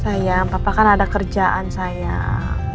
sayang papa kan ada kerjaan sayang